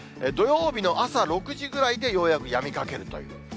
土曜日の朝６時ぐらいでようやくやみかけるいう。